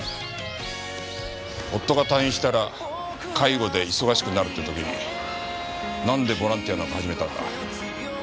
夫が退院したら介護で忙しくなるって時になんでボランティアなんか始めたんだ？